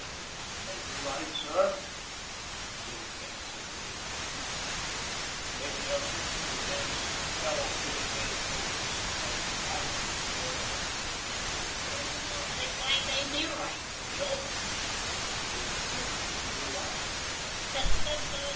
"You may be right, sir," Billy Kane said deliberately. David Ellsworth's two hands fell on Billy Kane's shoulders, and pressed him back into his chair again. "So you think I may be right, do you?" There was a twinkle in the blue eyes. "Tut, tut!